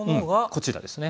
こちらですね。